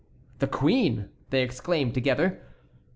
"The queen!" they exclaimed together.